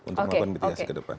untuk melakukan mitigasi ke depan